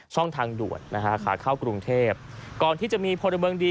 ทางด่วนนะฮะขาเข้ากรุงเทพก่อนที่จะมีพลเมืองดี